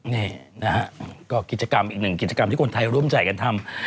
นี่นะฮะก็กิจกรรมอีกหนึ่งกิจกรรมที่คนไทยร่วมใจกันทำ